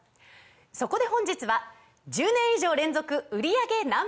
そこで本日は１０年以上連続売り上げＮｏ．１